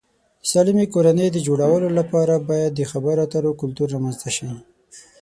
د سالمې کورنۍ د جوړولو لپاره باید د خبرو اترو کلتور رامنځته شي.